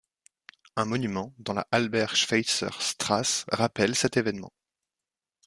Un monument dans la Albert-Schweitzer-Strasse rappelle cet événement.